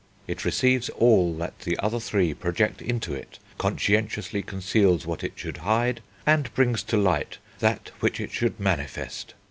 It receives all that the other three project into it, conscientiously conceals what it should hide, and brings to light that which it should manifest....